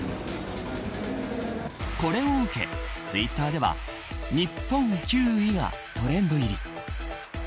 これを受け、ツイッターでは日本９位がトレンド入り。